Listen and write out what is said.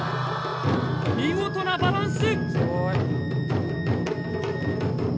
見事なバランス。